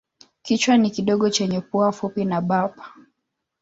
Kichwa ni kidogo chenye pua fupi na bapa.